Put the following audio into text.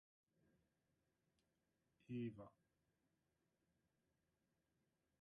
Two unpaid Vice Chairs support and advise the Chair.